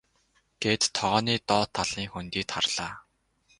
гээд тогооны доод талын хөндийд харлаа.